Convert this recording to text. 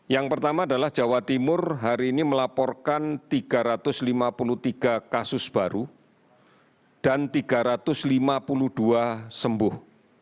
yang pertama adalah jawa timur hari ini melaporkan tiga ratus lima puluh tiga kasus baru dan tiga ratus lima puluh dua sembuh